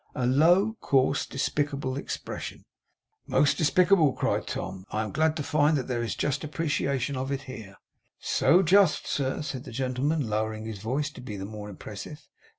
A low, coarse, despicable expression!' 'Most despicable,' cried Tom. 'I am glad to find that there is a just appreciation of it here.' 'So just, sir,' said the gentleman, lowering his voice to be the more impressive.